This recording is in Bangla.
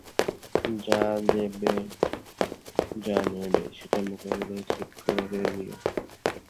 যা দেবে যা নেবে সেটা মোকাবিলায় ঠিক করে নিয়ো।